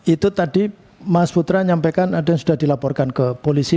itu tadi mas putra nyampaikan ada yang sudah dilaporkan ke polisi